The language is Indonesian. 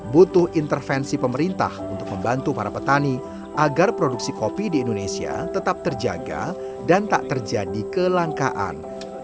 butuh intervensi pemerintah untuk membantu para petani agar produksi kopi di indonesia tetap terjaga dan tak terjadi kelangkaan